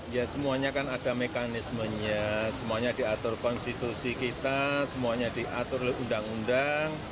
ya semuanya kan ada mekanismenya semuanya diatur konstitusi kita semuanya diatur oleh undang undang